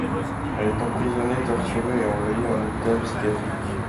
Elle est emprisonnée, torturée et envoyée en hôpital psychiatrique.